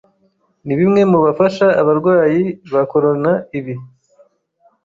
nibimwe mubafasha abarwayi ba corona ibi